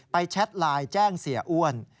แชทไลน์แจ้งเสียอ้วน